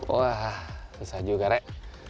wah susah juga rey